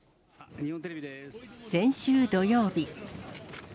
先週土曜日。